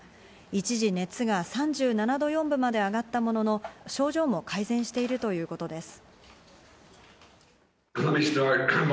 一時、熱が３７度４分まで上がったものの、症状も改善しているということです。